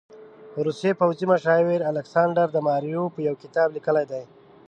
روسي پوځي مشاور الکساندر مایاروف يو کتاب لیکلی دی.